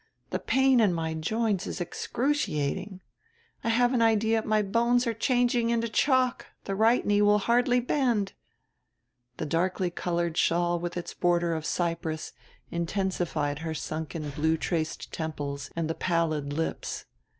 The pain in my joints is excruciating; I have an idea my bones are changing into chalk; the right knee will hardly bend." The darkly colored shawl with its border of cypress intensified her sunken blue traced temples and the pallid lips.